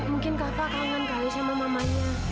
mungkin kakak kangen kali sama mamanya